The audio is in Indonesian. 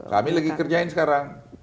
kami lagi kerjain sekarang